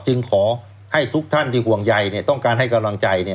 ขอให้ทุกท่านที่ห่วงใยต้องการให้กำลังใจ